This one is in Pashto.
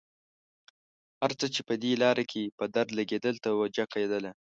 هر څه چې په دې لاره کې په درد لګېدل توجه کېدله.